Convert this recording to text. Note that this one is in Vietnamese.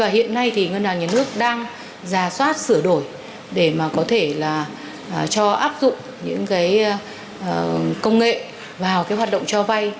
hiện nay ngân hàng nhà nước đang giả soát sửa đổi để có thể áp dụng công nghệ vào hoạt động cho vay